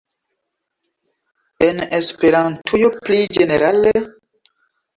En Esperantujo pli ĝenerale?